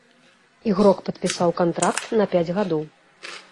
Ігрок падпісаў кантракт на пяць гадоў.